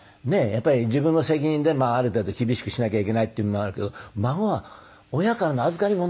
やっぱり自分の責任である程度厳しくしなきゃいけないっていうのもあるけど孫は親からの預かりものだから。